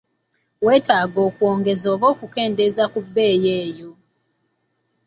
Weetaaga okwongeza oba okukendeeza ku bbeeyi eyo?